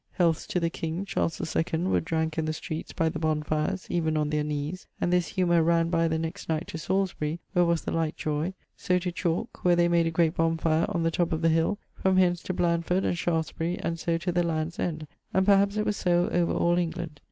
Healths to the king, Charles II, were dranke in the streets by the bonfires, even on their knees; and this humor ran by the next night to Salisbury, where was the like joy; so to Chalke, where they made a great bonfire on the top of the hill; from hence to Blandford and Shaftesbury, and so to the Land's end: and perhaps it was so over all England.